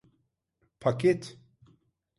Paket…